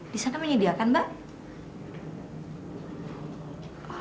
di sana menyediakan mbak